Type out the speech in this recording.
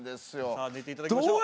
さあ寝て頂きましょう。